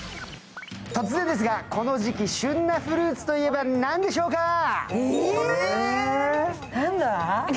突然ですが、この時期旬なフルーツといえば何でしょうか？